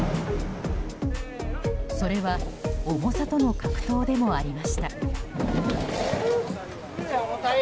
それは重さとの格闘でもありました。